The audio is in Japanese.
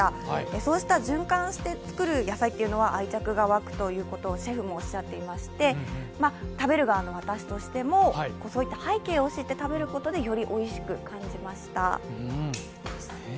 そうした循環して作る野菜というのは愛着が湧くということもシェフもおっしゃっていまして食べる側の私としてもそういった背景を知って食べることでよりおいしく食べました。